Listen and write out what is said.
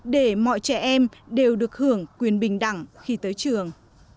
để mọi trẻ em đều được hưởng quyền bình đẳng khi tới trường